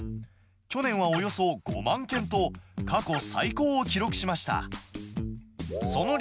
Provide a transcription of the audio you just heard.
去年はおよそ５万件と、過去最高を記録しました。